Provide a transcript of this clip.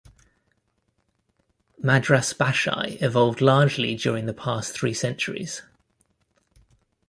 Madras Bashai evolved largely during the past three centuries.